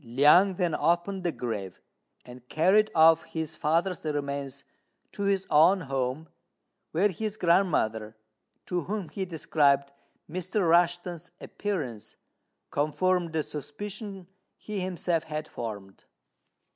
Liang then opened the grave, and carried off his father's remains to his own home, where his grandmother, to whom he described Mr. Rushten's appearance, confirmed the suspicion he himself had formed.